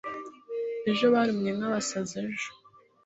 Ejo barumye nk'abasazi ejo.